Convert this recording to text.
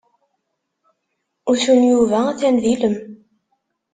Usu n Yuba atan d ilem.